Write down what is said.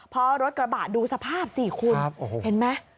เพราะรถกระบะดูสภาพสี่คุณเห็นมั้ย